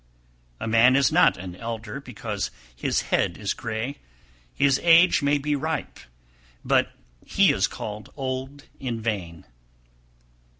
260. A man is not an elder because his head is grey; his age may be ripe, but he is called `Old in vain.'